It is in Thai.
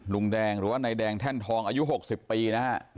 ลุงแดงหรือว่า่าไหนแดงแท่นทองอายุหกสิบปีนะฮะ